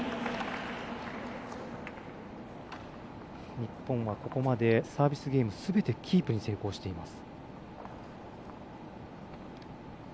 日本はここまでサービスゲームすべてキープに成功しています。